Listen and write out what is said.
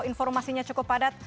informasinya cukup padat